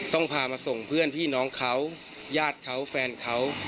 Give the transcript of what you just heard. ต้องพามาส่งเพื่อนพี่น้องเขาญาติเขาแฟนเขา